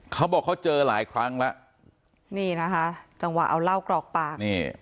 เขาบอกเขาเจอหลายครั้งแล้วนี่นะคะจังหวะเอาเหล้ากรอกปากนี่